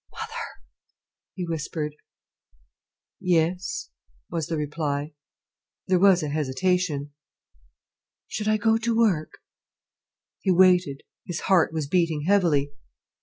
"Mother!" he whispered. "Yes," was the reply. There was a hesitation. "Should I go to work?" He waited, his heart was beating heavily.